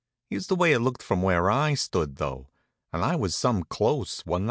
Here's the way it looked from where I stood, though; and I was some close, wa'n't I?